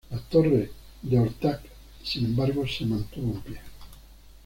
La torre de Orthanc, sin embargo, se mantuvo en pie.